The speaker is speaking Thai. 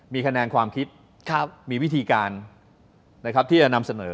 มีคะแนนความคิดมีวิธีการที่จะนำเสนอ